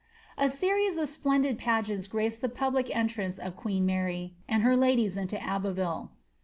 A series of splendid pageants graced the public entrance of q Mary and her ladies into Abbeville.